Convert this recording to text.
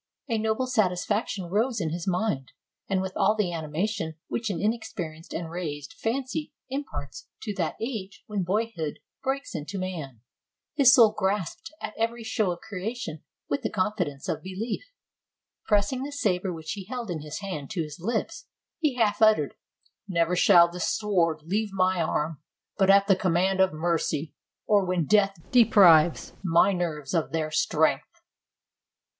A noble satisfaction rose in his mind ; and with all the animation which an inexperienced and raised fancy imparts to that 151 RUSSIA age when boyhood breaks into man, his soul grasped at every show of creation with the confidence of belief. Pressing the saber which he held in his hand to his lips, he half uttered, "Never shall this sword leave my arm but at the command of mercy, or when death deprives my nerves of their strength."